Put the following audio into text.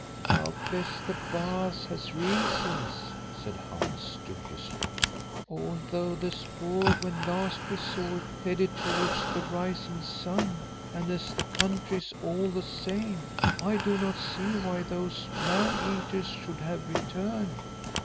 "Doubtless the Baas has reasons," said Hans dubiously, "although the spoor, when last we saw it, headed towards the rising sun and as the country is all the same, I do not see why those man eaters should have returned."